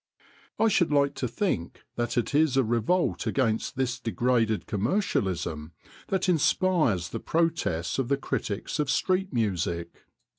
I should like to think that it is a revolt against this degraded commercialism that inspires the protests of the critics of street music.